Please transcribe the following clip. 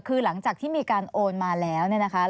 คือหลังจากที่มีการโอนมาแล้ว